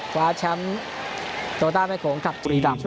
กว่าชัมตรงด้านบนของคัมตรีตาม